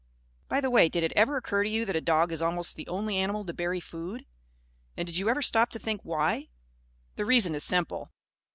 By the way, did it ever occur to you that a dog is almost the only animal to bury food? And did you ever stop to think why? The reason is simple.